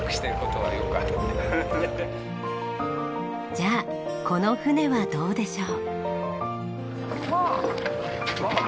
じゃあこの船はどうでしょう？